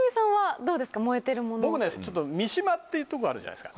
僕ね三島っていうとこあるじゃないですか。